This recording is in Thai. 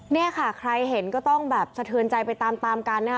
เนี่ยค่ะใครเห็นก็ต้องแบบสะเทือนใจไปตามตามกันนะคะ